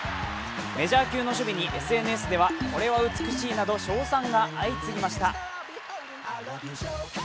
メジャー級の守備にＳＮＳではこれは美しいなど称賛が相次ぎました。